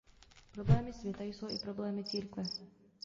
Problémy světa jsou i problémy církve.